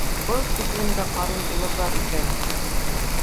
Был тиклем дә ҡарун булырҙар икән!